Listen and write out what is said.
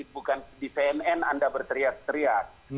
bukan di cnn anda berteriak teriak